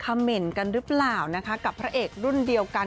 คำเม้นท์กันหรือเปล่ากับพระเอกรุ่นเดียวกัน